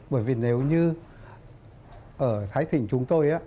bởi vì nếu như ở thái thị chúng tôi